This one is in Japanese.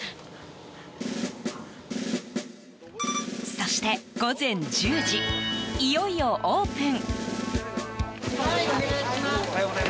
そして、午前１０時いよいよオープン。